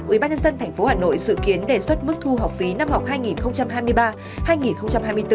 ubnd tp hà nội dự kiến đề xuất mức thu học phí năm học hai nghìn hai mươi ba hai nghìn hai mươi bốn